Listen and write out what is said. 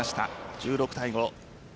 １６対５。